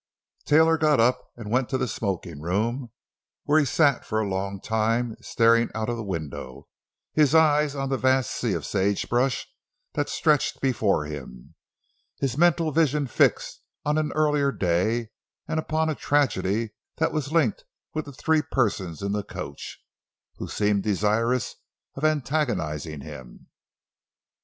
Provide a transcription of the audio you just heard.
Taylor got up and went to the smoking room, where he sat for a long time, staring out of the window, his eyes on the vast sea of sagebrush that stretched before him, his mental vision fixed on an earlier day and upon a tragedy that was linked with the three persons in the coach—who seemed desirous of antagonizing him.